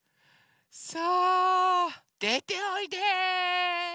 さあでておいで。